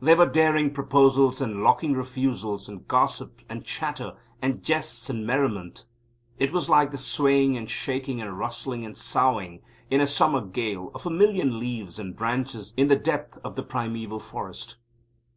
There were daring proposals and locking refusals, and gossip and chatter, and jests and merriment. It was like the swaying and shaking, and rustling and soughing, in a summer gale, of a million leaves and branches in the depth of the primeval forest.